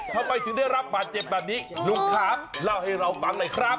ทำไมถึงได้รับบาดเจ็บแบบนี้ลุงครับเล่าให้เราฟังหน่อยครับ